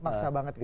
maksa banget gitu